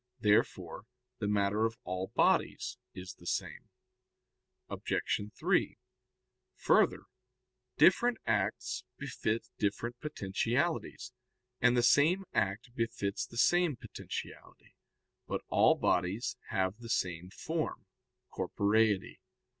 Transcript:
Therefore the matter of all bodies is the same. Obj. 3: Further, different acts befit different potentialities, and the same act befits the same potentiality. But all bodies have the same form, corporeity.